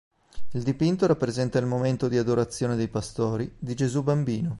Il dipinto rappresenta il momento di adorazione dei pastori di Gesù bambino.